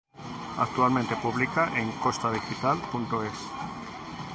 Actualmente publica en Costadigital.es.